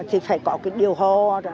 thì phải có cái điều hò